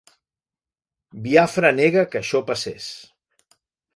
Biafra nega que això passés.